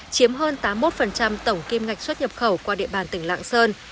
chiếm hơn tám mươi một tổng kim ngạch xuất nhập khẩu qua địa bàn tỉnh lạng sơn